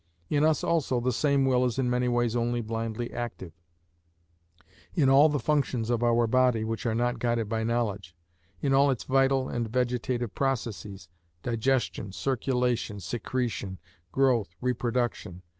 In us also the same will is in many ways only blindly active: in all the functions of our body which are not guided by knowledge, in all its vital and vegetative processes, digestion, circulation, secretion, growth, reproduction.